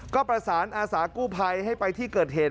ก็ประสานอาสากู้ภัยให้ไปที่เกิดเหตุ